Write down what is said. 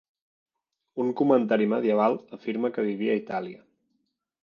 Un comentari medieval afirma que vivia a Itàlia.